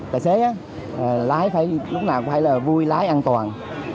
tài xế lúc nào cũng phải vui lái an toàn